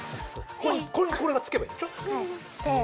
これにこれがつけばいいんでしょ？